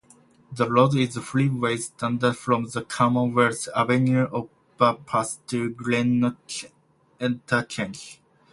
The road is freeway standard from the Commonwealth Avenue overpass to Glenloch Interchange.